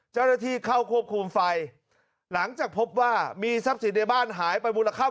เจ้าหน้าที่เข้าควบคุมไฟหลังจากพบว่ามีทรัพย์สินในบ้านหายไปมูลค่า